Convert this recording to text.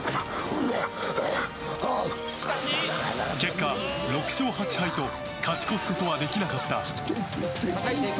結果６勝８敗と勝ち越すことはできなかった。